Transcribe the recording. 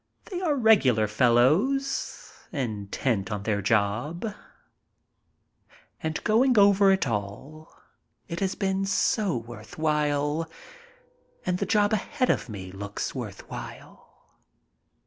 They are regular fellows, intent on their job. BON VOYAGE 155 And going over it all, it has been so worth while and the job ahead of me looks worth while.